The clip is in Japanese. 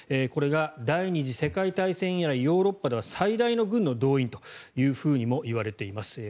これが第２次世界大戦以来ヨーロッパでは最大の軍の動員ともいわれています。